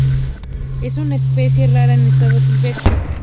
Es una especie rara en estado silvestre.